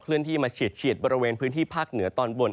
ที่มาเฉียดบริเวณพื้นที่ภาคเหนือตอนบน